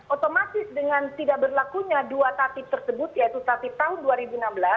otomatis dengan tidak berlakunya dua tatip tersebut yaitu tatib tahun dua ribu enam belas